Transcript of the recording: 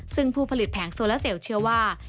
ซึ่งผู้ผลิตแผงโซลาเซลเชื่อว่า